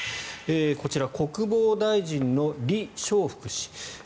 こちら国防大臣のリ・ショウフク氏。